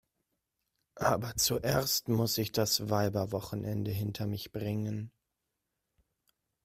Aber zuerst muss ich das Weiberwochenende hinter mich bringen.